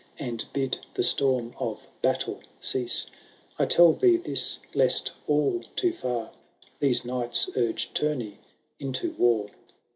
And bid the storm of battle cease. I tell thee this, lest all too far These knights urge tourney into war.